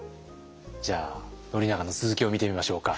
じゃあ宣長の続きを見てみましょうか。